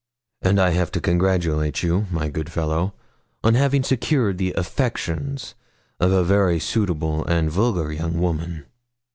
'And I have to congratulate you, my good fellow, on having secured the affections of a very suitable and vulgar young woman.'